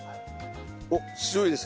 おっ強いですね